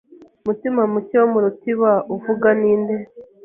Mutimamuke wo mu rutiba uvuga ni nde